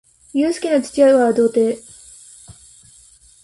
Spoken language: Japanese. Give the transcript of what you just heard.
ゆうすけの父親は童貞